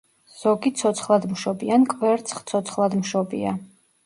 ზოგი ცოცხლადმშობი ან კვერცხცოცხლადმშობია.